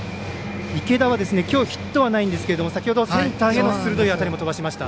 池田はきょうヒットはないんですが先ほどセンターへの鋭い当たりを飛ばしました。